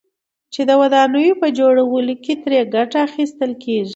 چې د ودانيو په جوړولو كې ترې گټه اخيستل كېږي،